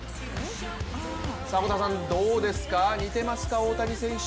迫田さん、どうですか、似てますか大谷選手。